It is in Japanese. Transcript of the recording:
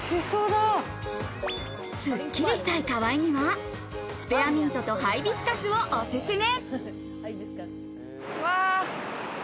すっきりしたい河合には、スペアミントとハイビスカスをおすすめ。